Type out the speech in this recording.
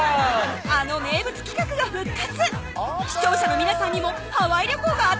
あの名物企画が復活！